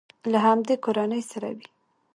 له همدې کورنۍ سره وي.